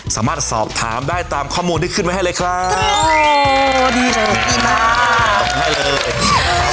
สามารถสอบถามได้ตามข้อมูลที่ขึ้นไว้ให้เลยครับส่งให้เลย